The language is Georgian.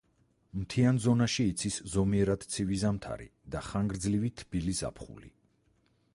მთიან ზონაში იცის ზომიერად ცივი ზამთარი და ხანგრძლივი თბილი ზაფხული.